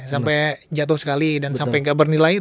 sampai jatuh sekali dan sampai nggak bernilai